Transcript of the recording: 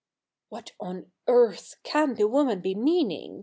hi ' What on earth can the woman be meaning